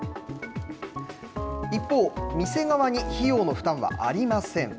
一方、店側に費用の負担はありません。